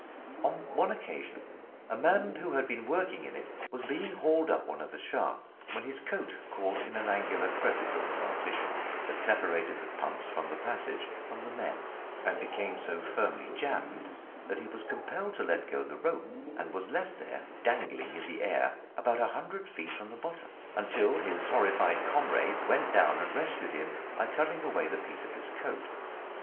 On one occasion a man who had been working in it was being hauled up one of the shafts, when his coat caught in an angular crevice of the partition, that separated the pumps from the passage for the men, and became so firmly jammed that he was compelled to let go the rope, and was left there dangling in the air, about a hundred feet from the bottom, until his horrified comrades went down and rescued him by cutting away the piece of his coat.